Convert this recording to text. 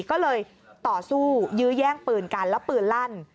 ก็เลยต่อสู้ยื้อแย่งปืนกันแล้วปืนลั่น